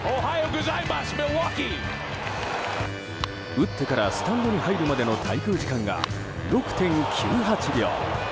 打ってからスタンドに入るまでの滞空時間が６．９８秒。